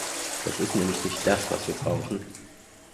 Das ist nämlich nicht das, was wir brauchen.